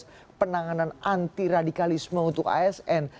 proses penanganan anti radikalisme untuk asn